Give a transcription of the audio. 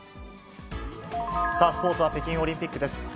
さあスポーツは北京オリンピックです。